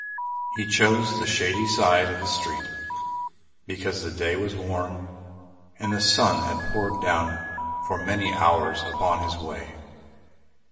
He chose the shady side of the street because the day was warm and the sun had poured down for many hours upon his way.